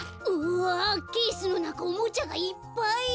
うわケースのなかおもちゃがいっぱい！